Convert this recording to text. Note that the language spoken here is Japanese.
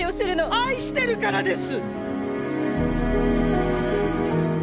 愛してるからです！